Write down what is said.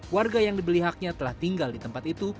warga yang dibeli haknya telah tinggal di tempat itu